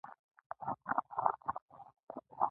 ، ټول بازار يې روښانه کړی و.